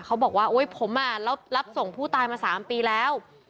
เขาบอกว่าโอ๊ยผมรับส่งผู้ตายมา๓ปีแล้ว